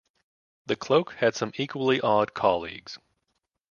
The Cloak had some equally odd colleagues.